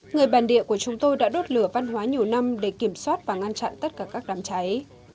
người bản địa của chúng tôi đã đốt lửa văn hóa nhiều năm để kiểm soát và ngăn chặn tất cả các đám cháy